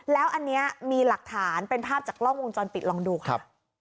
แล้วอันนี้มีหลักฐานเป็นภาพจากกล้องวงจรปิดลองดูค่ะ